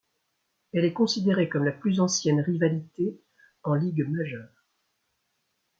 Elle est considérée comme la plus ancienne rivalité en Ligue majeure.